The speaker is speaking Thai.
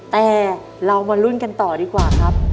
แต่เรามาลุ้นกันต่อดีกว่าครับ